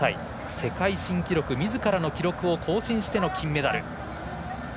世界新記録、みずからの記録を更新しての金メダル。